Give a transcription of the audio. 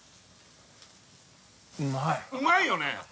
うまいよね！